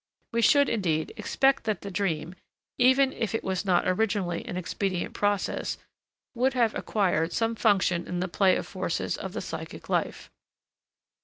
We should, indeed, expect that the dream, even if it was not originally an expedient process, would have acquired some function in the play of forces of the psychic life.